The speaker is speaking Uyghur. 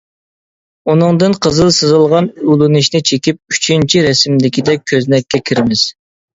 ئۇنىڭدىن قىزىل سىزىلغان ئۇلىنىشنى چېكىپ ئۈچىنچى رەسىمدىكىدەك كۆزنەككە كىرىمىز.